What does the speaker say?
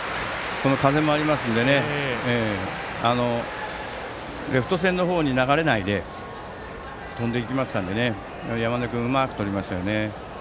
風もありますのでレフト線の方に流れないで飛んでいきましたので山根君がうまくとりましたよね。